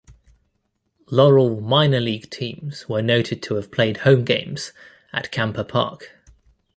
Laurel minor league teams were noted to have played home games at Kamper Park.